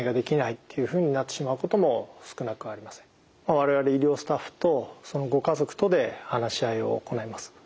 我々医療スタッフとそのご家族とで話し合いを行います。